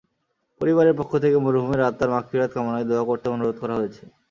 পরিবারের পক্ষ থেকে মরহুমের আত্মার মাগফিরাত কামনায় দোয়া করতে অনুরোধ করা হয়েছে।